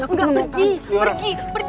enggak pergi pergi liora pergi